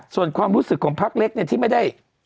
ส่วนความรู้สึกของพักเล็กเนี่ยที่ไม่ได้